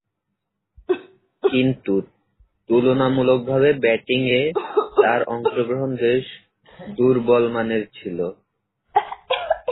কিন্তু তুলনামূলকভাবে ব্যাটিংয়ে তার অংশগ্রহণ বেশ দূর্বলমানের ছিল।